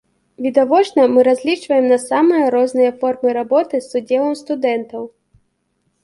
Відавочна, мы разлічваем на самыя розныя формы работы з удзелам студэнтаў.